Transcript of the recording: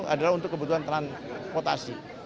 adalah untuk kebutuhan transportasi